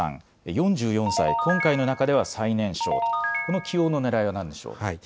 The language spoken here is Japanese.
４４歳、今回の中では最年少とこの起用のねらいはなんでしょうか。